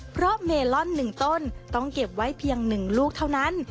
เพราะเมลอน๑ต้นต้องเก็บไว้เพียง๑ลูกเท่านั้น